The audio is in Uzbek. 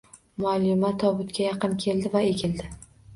Muallima tobutga yaqin keldi va egilldi.